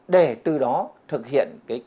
để từ đó thực hiện cái quyết định